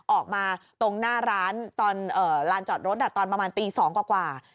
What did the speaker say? ออกมาตรงหน้าร้านตอนลานจอดรถตอนประมาณตี๒กว่า